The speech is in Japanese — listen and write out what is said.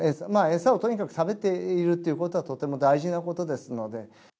餌をとにかく食べているということはとても大事なことですので。